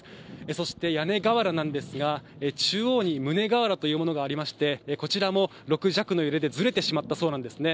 そして屋根瓦なんですが、中央にむね瓦というものがありまして、こちらも６弱の揺れでずれてしまったそうなんですね。